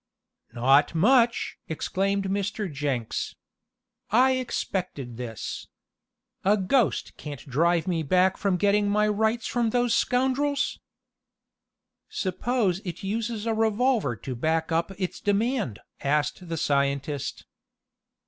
"Not much!" exclaimed Mr. Jenks. "I expected this. A ghost can't drive me back from getting my rights from those scoundrels!" "Suppose it uses a revolver to back up its demand?" asked the scientist.